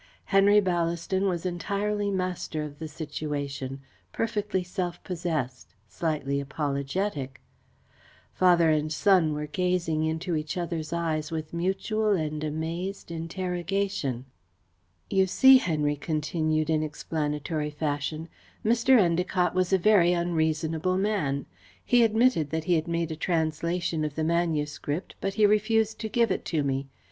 Henry Ballaston was entirely master of the situation, perfectly self possessed, slightly apologetic. Father and son were gazing into each other's eyes with mutual and amazed interrogation. "You see," Henry continued, in explanatory fashion, "Mr. Endacott was a very unreasonable man. He admitted that he had made a translation of the manuscript, but he refused to give it to me.